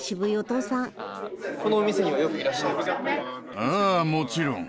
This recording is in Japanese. ああもちろん。